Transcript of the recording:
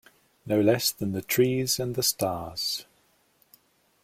No less than the trees and the stars